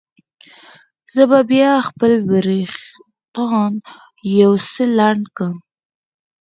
زه به بیا خپل وریښتان یو څه لنډ کړم.